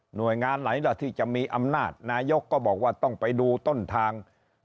งานไหนล่ะที่จะมีอำนาจนายกก็บอกว่าต้องไปดูต้นทาง